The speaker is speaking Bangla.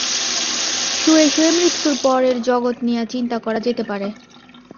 শুয়ে শুয়ে মৃত্যুর পরের জগৎ নিয়ে চিন্তা করা যেতে পারে।